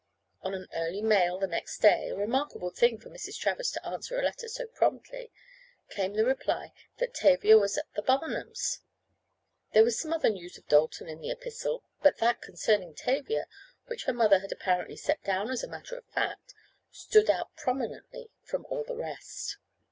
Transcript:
On an early mail the next day (a remarkable thing for Mrs. Travers to answer a letter so promptly) came the reply that Tavia was at the Barnums! There was some other news of Dalton in the epistle, but that concerning Tavia, which her mother had apparently set down as a matter of fact, stood out prominently from all the rest.